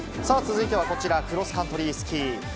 さあ、続いてはこちら、クロスカントリースキー。